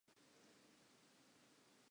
The Hardy Boys must track the gold down.